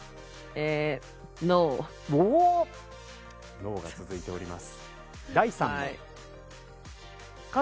ノーが続いております。